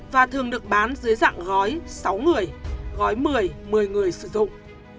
và thường được bán dưới dạng gói sáu người gói một mươi một mươi người sử dụng